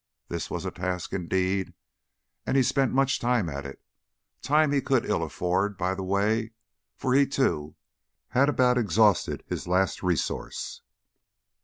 This was a task, indeed, and he spent much time at it time he could ill afford, by the way, for he, too, had about exhausted his last resource.